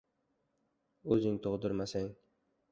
—O‘zing tug‘dirmasang